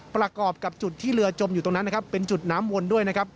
ประกอบกับจุดที่เรือจมอยู่ตรงนั้นเป็นจุดน้ำวนด้วย